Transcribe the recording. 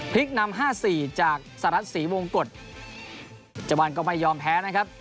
นำห้าสี่จากสหรัฐศรีวงกฎจวันก็ไม่ยอมแพ้นะครับ